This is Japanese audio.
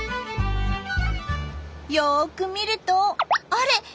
よく見るとあれ？